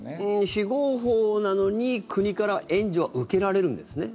非合法なのに、国から援助は受けられるんですね。